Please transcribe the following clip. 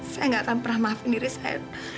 saya nggak akan pernah maafin diri saya